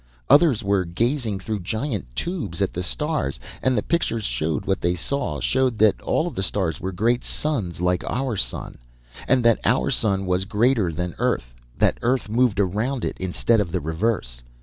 Others were gazing through giant tubes at the stars, and the pictures showed what they saw, showed that all of the stars were great suns like our sun, and that our sun was greater than earth, that earth moved around it instead of the reverse!